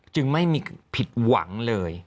จึงไม่มีผิดหวังเลย